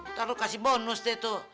ntar lo kasih bonus deh tuh